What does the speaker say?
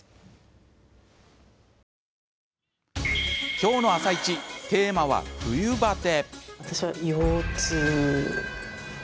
今日の「あさイチ」テーマは冬バテ。